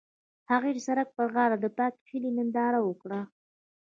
هغوی د سړک پر غاړه د پاک هیلې ننداره وکړه.